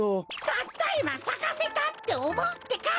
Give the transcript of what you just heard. たったいまさかせた！っておもうってか！